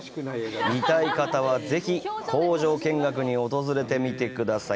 見たい方は、ぜひ工場見学に訪れてみてください。